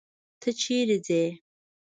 ته چيري ځې.